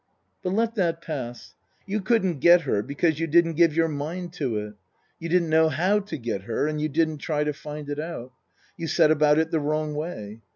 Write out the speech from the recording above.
"But let that pass. "You couldn't get her because you didn't give your mind to it. You didn't know how to get her and you didn't try to find out. You set about it the wrong way.